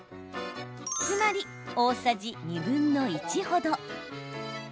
つまり、大さじ２分の１程。